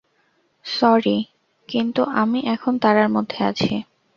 Sorry, কিন্তু আমি এখন তাড়ার মধ্যে আছি।